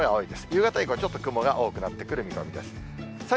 夕方以降、ちょっと雲が多くなってくる見込みです。